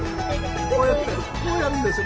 こうやってこうやるんですよ。